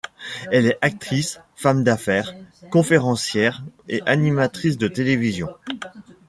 Elle est actrice, femme d'affaires, conférencière et animatrice de télévision.